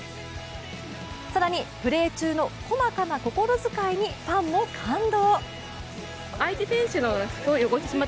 更にプレー中の細かな心遣いにファンも感動。